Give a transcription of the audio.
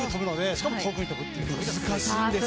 しかも遠くに飛ぶというところで。